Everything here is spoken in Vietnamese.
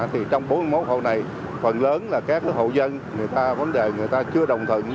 thì trong bốn mươi một hậu này phần lớn là các hậu dân người ta vấn đề người ta chưa đồng thuận